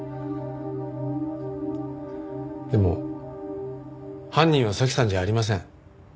でも犯人は早紀さんじゃありません。